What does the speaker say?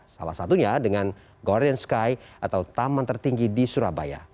salah satunya dengan guardian sky atau taman tertinggi di surabaya